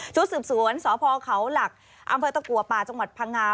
ชุดสืบสวนสพเขาหลักอำเภอตะกัวป่าจังหวัดพังงา